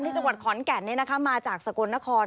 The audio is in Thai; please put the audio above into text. ที่จังหวัดขอนแก่นมาจากสกลนคร